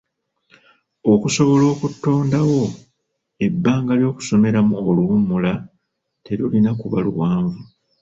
Okusobola okutondawo ebbanga ly'okusomeramu oluwummula terulina kuba luwanvu.